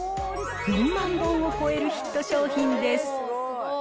４万本を超えるヒット商品です。